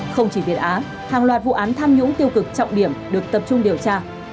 không chỉ việt á hàng loạt vụ án tham nhũng tiêu cực trọng điểm được tập trung điều tra